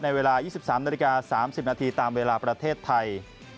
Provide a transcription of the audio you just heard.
เวลา๒๓นาฬิกา๓๐นาทีตามเวลาประเทศไทย